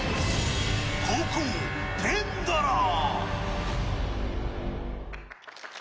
後攻、テンダラー。